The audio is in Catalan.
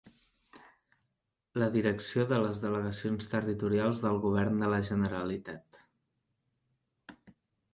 La direcció de les delegacions territorials del Govern de la Generalitat.